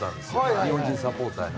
日本人サポーターに。